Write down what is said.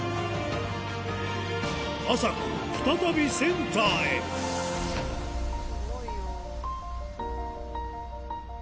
あさこ再びセンターへスゴいよ。